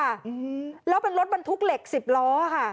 อืมแล้วเป็นรถบรรทุกเหล็กสิบล้อค่ะ